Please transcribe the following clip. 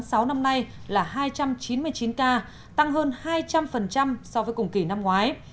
sáu năm nay là hai trăm chín mươi chín ca tăng hơn hai trăm linh so với cùng kỳ năm ngoái